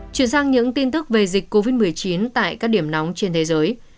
chuyển sang những tin tức về dịch covid một mươi chín tại các điểm nóng trên thế giới